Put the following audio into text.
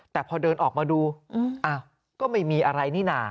แต่พอเดินออกมาดูอ้าวก็ไม่มีอะไรนี่นะ